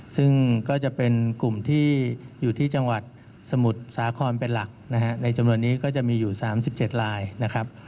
ซึ่งก็จะเป็นกลุ่มที่อยู่ที่จังหวัดสมุทรสาครเป็นหลักนะฮะในจำนวนนี้ก็จะมีอยู่๓๗ลายนะครับ